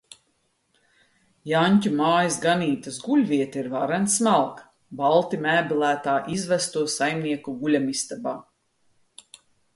Janķu mājas ganītes guļvieta ir varen smalka, balti mēbelētā izvesto saimnieku guļamistabā.